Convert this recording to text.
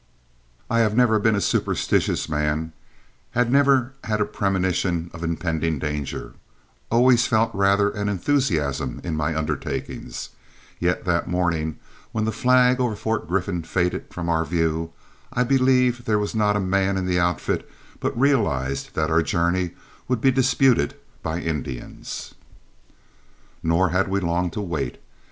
I have never been a superstitious man, have never had a premonition of impending danger, always rather felt an enthusiasm in my undertakings, yet that morning when the flag over Fort Griffin faded from our view, I believe there was not a man in the outfit but realized that our journey would be disputed by Indians. Nor had we long to wait.